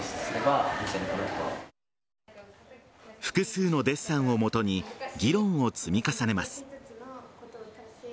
複数のデッサンをもとに議論を積み重ねます。